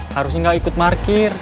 harusnya gak ikut markir